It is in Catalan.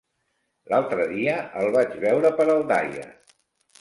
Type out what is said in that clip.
L'altre dia el vaig veure per Aldaia.